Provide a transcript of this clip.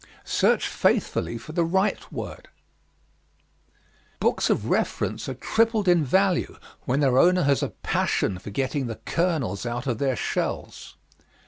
Search Faithfully for the Right Word Books of reference are tripled in value when their owner has a passion for getting the kernels out of their shells.